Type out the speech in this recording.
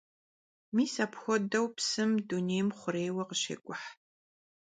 Mis apxuedeu psım dunêym xhurêyue khışêk'uh.